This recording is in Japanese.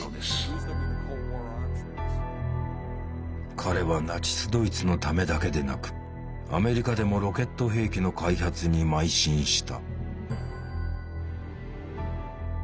彼はナチスドイツのためだけでなくアメリカでもロケット兵器の開発にまい進した。